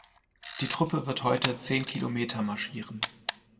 Die Truppe wird heute zehn Kilometer marschieren.